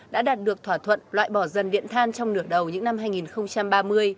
đã đạt được thỏa thuận loại bỏ dần điện than trong nửa đầu những năm hai nghìn ba mươi